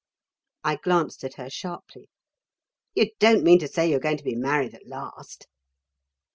I glanced at her sharply. "You don't mean to say you're going to be married at last?"